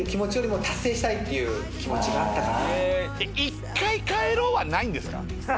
１回帰ろうはないんですか？